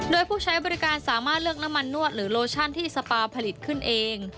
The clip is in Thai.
โดยผู้ใช้บริการสามารถเลือกน้ำมันนวดหรือโลชั่นที่สปาผลิตขึ้นเอง